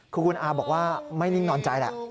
คุณอาบอกว่าไม่นิ่งนอนใจแล้ว